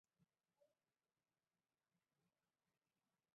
现在起大多数收藏存于巴黎的国家自然历史博物馆。